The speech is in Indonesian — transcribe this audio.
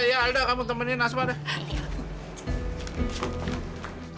ya alda kamu temenin asma deh